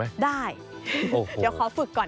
เดี๋ยวขอฝึกก่อน